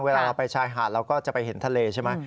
เวลาเราไปชายหาดเราก็จะไปเห็นทะเลใช่ไหม